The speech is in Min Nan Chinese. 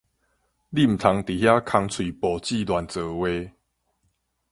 你毋通佇遐空喙哺舌亂造話